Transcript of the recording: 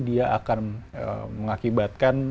dia akan mengakibatkan